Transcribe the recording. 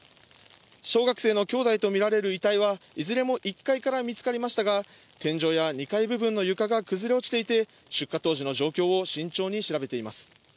小学生の兄弟とみられる遺体はいずれも１階から見つかりましたが、天井や２階部分の床が崩れ落ちていて、出火当時の状況を慎重に調べています。